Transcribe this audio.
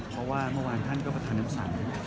เพราะว่าท่านเมื่อวานก็ประธานับสรรค์